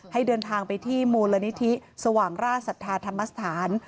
ให้เดินทางไปที่มูลนิธิสวังราชสัตว์ธรรมศาสตร์